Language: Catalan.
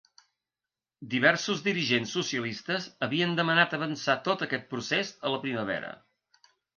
Diversos dirigents socialistes havien demanat avançar tot aquest procés a la primavera.